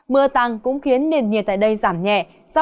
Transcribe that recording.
mưa tăng cũng khiến nền nhiệt tại đây giảm nhẹ